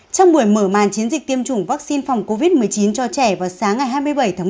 trong buổi mở màn chiến dịch tiêm chủng vaccine phòng covid một mươi chín cho trẻ vào sáng ngày hai mươi bảy tháng một mươi